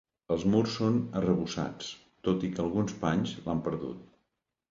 Els murs són arrebossats, tot i que alguns panys l'han perdut.